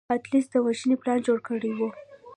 اتیوس د وژنې پلان جوړ کړی و.